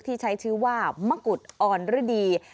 ที่ใช้ชื่อว่ามะกุฎอ่อนฤดี